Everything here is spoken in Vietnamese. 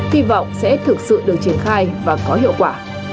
hy vọng sẽ thực sự được triển khai và có hiệu quả